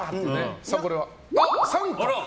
これは？△！